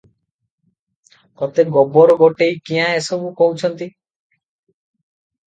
ତୋତେ ଗୋବରଗୋଟେଇ କିଆଁ ଏସବୁ କହୁଚନ୍ତ?